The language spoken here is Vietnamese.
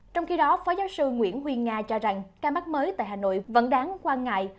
trong khi đó phó giáo sư nguyễn huy nga cho rằng ca mắc mới tại hà nội vẫn đáng quan ngại